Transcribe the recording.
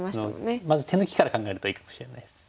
まず手抜きから考えるといいかもしれないです。